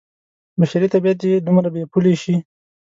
بشري طبعیت دې دومره بې پولې شي.